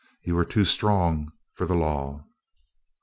You were too strong for the law.